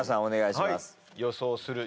お願いします。